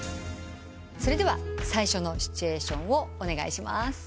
それでは最初のシチュエーションをお願いします。